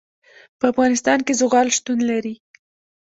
په افغانستان کې زغال شتون لري.